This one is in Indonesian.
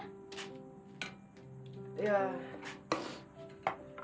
eh kak gimana